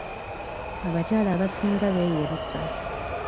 Abakyala abasinga beeyerusa.